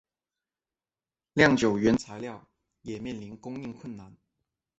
酿酒原材料也面临供应困难。